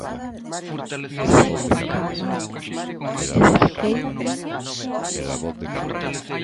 Señora Caamaño, non lle dediquei nin un só insulto.